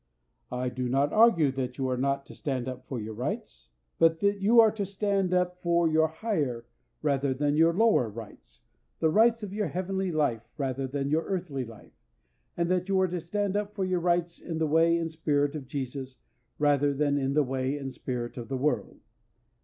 I do not argue that you are not to stand up for your rights; but that you are to stand up for your higher rather than your lower rights, the rights of your heavenly life rather than your earthly life, and that you are to stand up for your rights in the way and spirit of Jesus rather than in the way and spirit of the world.